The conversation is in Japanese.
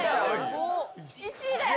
１位だよ！